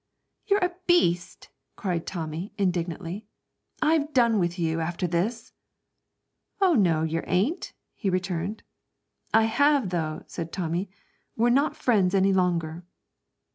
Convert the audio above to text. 'You're a beast!' cried Tommy, indignantly; 'I've done with you, after this.' 'Oh, no, yer ain't,' he returned. 'I have, though,' said Tommy; 'we're not friends any longer.'